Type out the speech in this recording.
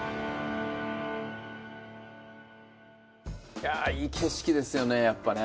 いやいい景色ですよねやっぱね。